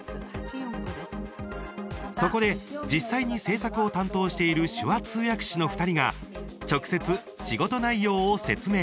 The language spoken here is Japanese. そこで実際に制作を担当している手話通訳士の２人が直接、仕事内容を説明。